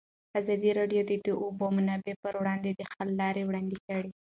ازادي راډیو د د اوبو منابع پر وړاندې د حل لارې وړاندې کړي.